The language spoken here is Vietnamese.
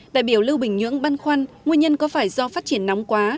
đại biểu lưu bình nhưỡng băn khoăn nguyên nhân có phải do phát triển nóng quá